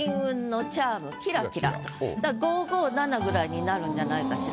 ５・５・７ぐらいになるんじゃないかしら。